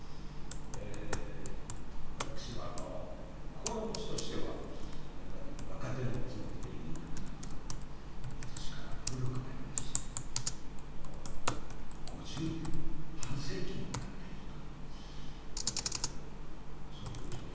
私は心持ちとしてはいまだに若手のつもりでいるんでございますがいつしか古くなりましてもう５０年半世紀もやっているというそういう状況ですね。